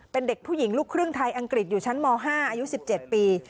เป็นเด็กผู้หญิงลูกครึ่งไทยอังกฤษอยู่ชั้นม๕อายุ๑๗ปี